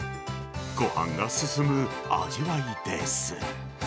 ごはんが進む味わいです。